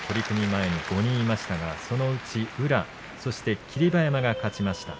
前、５人いましたがそのうち宇良、そして霧馬山が勝ちました。